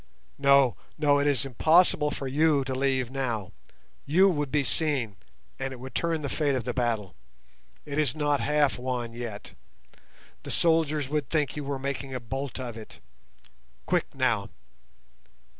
No, no; it is impossible for you to leave now. You would be seen, and it would turn the fate of the battle. It is not half won yet. The soldiers would think you were making a bolt of it. Quick now."